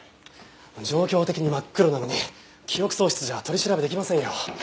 状況的に真っ黒なのに記憶喪失じゃ取り調べ出来ませんよ。